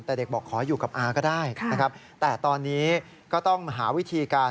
แต่เด็กบอกขออยู่กับอาก็ได้นะครับแต่ตอนนี้ก็ต้องหาวิธีการ